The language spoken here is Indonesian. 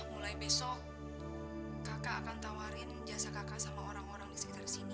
mulai besok kakak akan tawarin jasa kakak sama orang orang di sekitar sini